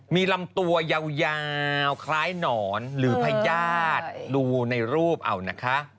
มีลำตัวยาวคล้ายหนอนหรือพญาติดูในรูปเอานะคะ